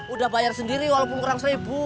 udah bayar sendiri walaupun kurang seribu